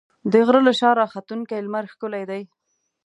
د غره له شا راختونکی لمر ښکلی دی.